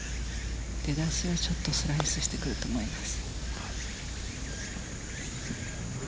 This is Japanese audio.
出だしはショットはスライスしてくると思います。